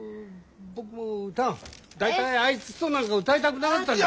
大体あいつとなんか歌いたくなかったんだ。